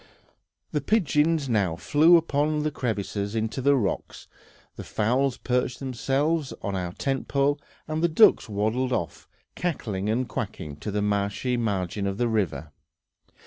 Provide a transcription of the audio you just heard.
The pigeons now flew up to crevices in the rocks, the fowls perched themselves on our tent pole, and the ducks waddled off, cackling and quacking, to the marshy margin of the river.